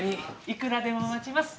いくらでも待ちます。